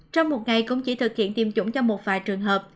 trong một ngày cũng chỉ thực hiện tiêm chủng cho một vài trường hợp